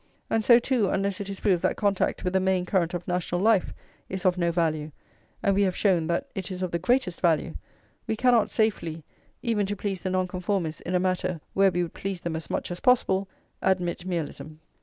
And so, too, unless it is proved that contact with the main current of national life is of no value (and we have shown that it is of the greatest value), we cannot safely, even to please the Nonconformists in a matter where we would please them as much as possible, admit Mialism.